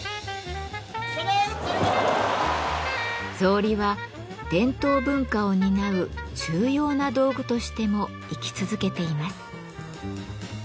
草履は伝統文化を担う重要な道具としても生き続けています。